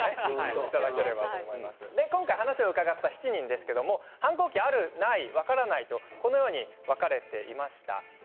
今回話を伺った７人ですが反抗期ある、ない、分からないと分かれていました。